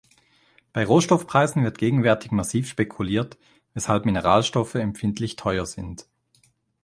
Bei Rohstoffpreisen wird gegenwärtig massiv spekuliert, weshalb Mineralstoffe empfindlich teuer sind.